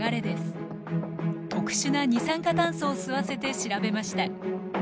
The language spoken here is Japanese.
特殊な二酸化炭素を吸わせて調べました。